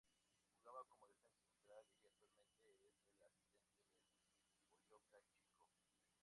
Jugaba como defensa central y actualmente es el asistente del Boyacá Chicó.